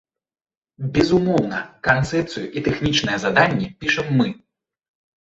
Безумоўна, канцэпцыю і тэхнічнае заданне пішам мы.